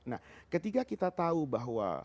nah ketika kita tahu bahwa